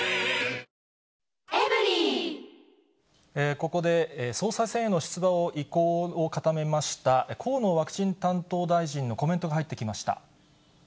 ここで、総裁選への出馬の意向を固めました、河野ワクチン担当大臣のコメントが入ってきました。